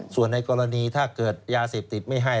ส่วนในกรณีถ้าเกิดยาเสพติดไม่ให้